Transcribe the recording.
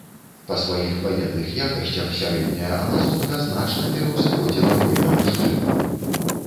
Па сваіх ваенных якасцях сярэдняя амазонка значна пераўзыходзіла воіна-мужчыну.